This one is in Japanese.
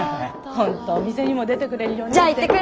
本当お店にも出てくれるようになって。